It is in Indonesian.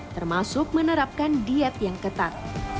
termasuk menerapkan diet yang ketat